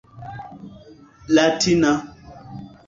latina